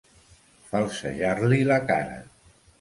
Falsejar-li la cara.